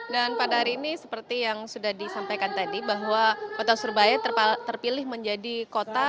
dan pada hari ini seperti yang sudah disampaikan tadi bahwa kota surabaya terpilih menjadi kota